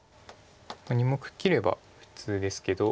２目切れば普通ですけど。